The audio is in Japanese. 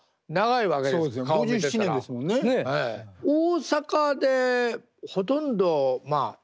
大阪でほとんどまあ